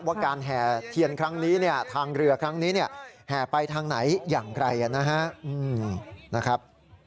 ว่าการแห่เทียนครั้งนี้เนี่ยทางเรือครั้งนี้เนี่ยแห่ไปทางไหนอย่างไรนะครับ